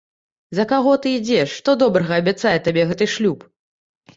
За каго ты ідзеш, што добрага абяцае табе гэты шлюб?